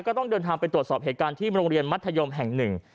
ก็ต้องเดินทางไปตรวจสอบเหตุการณ์ที่โรงเรียนมัธยมแห่งหนึ่ง